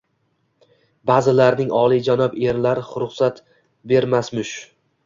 Ba’zilarining olijanob erlari ruxsat bermasmush.